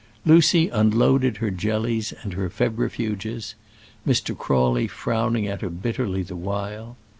Lucy unloaded her jellies and her febrifuges, Mr. Crawley frowning at her bitterly the while.